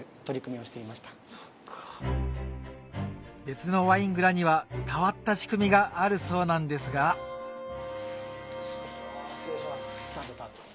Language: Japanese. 別のワイン蔵には変わった仕組みがあるそうなんですが失礼します。